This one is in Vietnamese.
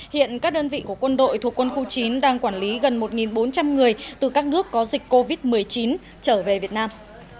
hiện các đơn vị của quân đội thuộc quân khu chín đang quản lý gần một bốn trăm linh người từ các nước có dịch covid một mươi chín trở về việt nam